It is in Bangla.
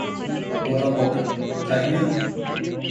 বরা-বর, তাই না?